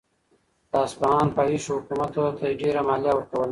د اصفهان فاحشو حکومت ته ډېره مالیه ورکوله.